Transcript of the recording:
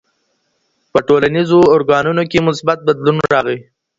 په ټولنيزو ارګانونو کي مثبت بدلون راغی.